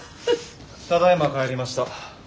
ただいま帰りました。